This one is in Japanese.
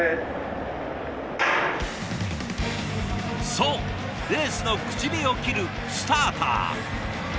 そうレースの口火を切るスターター。